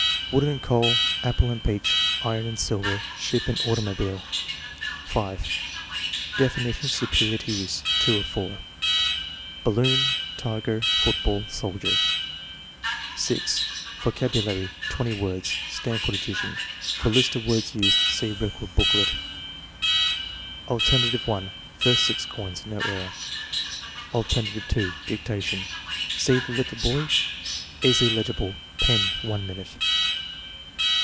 Wood and coal; apple and peach; iron and silver; ship and automobile. 5. Definitions superior to use. (2 of 4.) Balloon; tiger; football; soldier. G. Vocabulary, 20 words. (Stanford addition. For list of words used, see record booklet.) Al. 1. First six coins. (No error.) Al. 2. Dictation. ("See the little boy." Easily legible. Pea. 1 minute.)